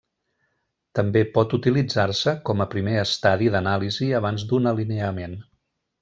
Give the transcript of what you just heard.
També pot utilitzar-se com a primer estadi d'anàlisi abans d'un alineament.